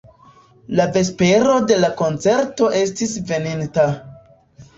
La vespero de la koncerto estis veninta.